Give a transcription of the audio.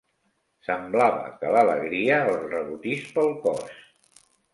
Semblava que l'alegria els rebotís pel cos.